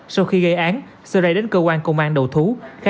sau khi gây án seray đến cơ quan công an đầu thú